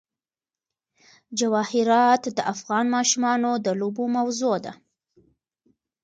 جواهرات د افغان ماشومانو د لوبو موضوع ده.